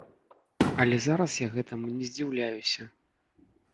Але зараз я гэтаму не здзіўляюся.